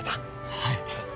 はい。